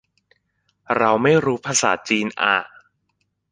เราไม่รู้ภาษาจีนอ่ะ